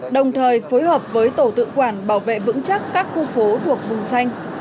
đồng thời phối hợp với tổ tự quản bảo vệ vững chắc các khu phố thuộc vùng xanh